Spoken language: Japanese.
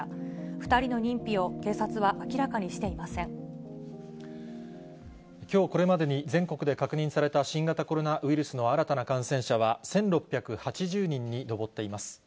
２人の認否を警察は明らかにしてきょうこれまでに全国で確認された、新型コロナウイルスの新たな感染者は、１６８０人に上っています。